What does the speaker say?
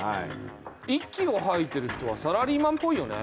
息をはいてる人はサラリーマンっぽいよね。